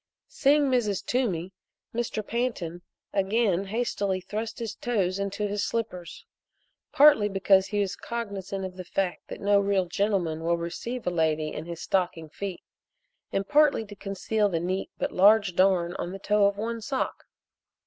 Seeing Mrs. Toomey, Mr. Pantin again hastily thrust his toes into his slippers partly because he was cognizant of the fact that no real gentleman will receive a lady in his stocking feet, and partly to conceal the neat but large darn on the toe of one sock.